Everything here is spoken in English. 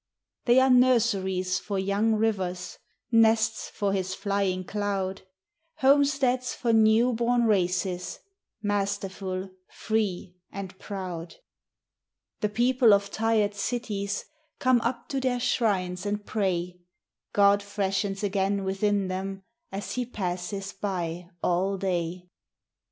They are nurseries for young rivers; Nests for his flying cloud; Homesteads for new born races, Masterful, free, and proud. The people of tired cities Come up to their shrines and pray; God freshens again within them, As he passes by all day.